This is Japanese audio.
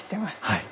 はい。